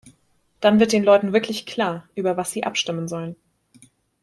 Dann wird den Leuten wirklich klar, über was sie abstimmen sollen.